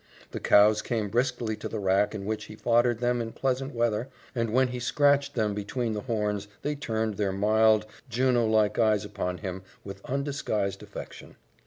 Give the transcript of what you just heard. The cows came briskly to the rack in which he foddered them in pleasant weather, and when he scratched them between the horns they turned their mild, Juno like eyes upon him with undisguised affection.